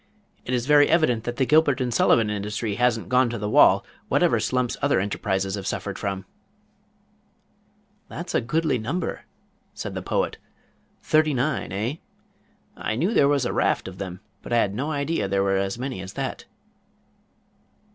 It is very evident that the Gilbert and Sullivan industry hasn't gone to the wall whatever slumps other enterprises have suffered from." "That is a goodly number," said the Poet. "Thirty nine, eh? I knew there was a raft of them, but I had no idea there were as many as that."